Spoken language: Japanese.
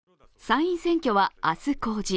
参院選挙は明日公示。